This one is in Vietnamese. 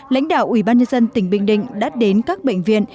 lãnh đạo ủy ban nhân dân tỉnh bình định đã đến các bệnh viện